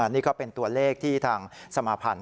นี่ก็เป็นตัวเลขที่ทางสมาพันธ์